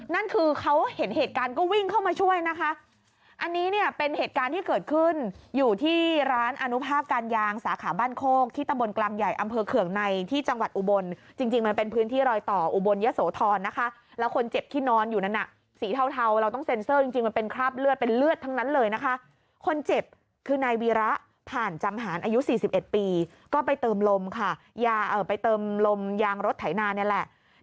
นั่นคือเขาเห็นเหตุการณ์ก็วิ่งเข้ามาช่วยนะคะอันนี้เนี่ยเป็นเหตุการณ์ที่เกิดขึ้นอยู่ที่ร้านอนุภาพการยางสาขาบ้านโคกที่ตะบลกลางใหญ่อำเภอเขื่องในที่จังหวัดอุบลจริงมันเป็นพื้นที่รอยต่ออุบลยะโสทรนะคะแล้วคนเจ็บที่นอนอยู่นั้นอ่ะสีเทาเราต้องเซ็นเซอร์จริงมันเป็นคราบเลือดเป็นเลือดทั้